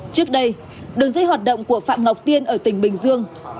trước đây đường dây hoạt động của phạm ngọc tiên ở tỉnh bình dương